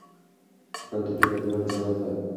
کتاب د فکر د ودې سبب دی.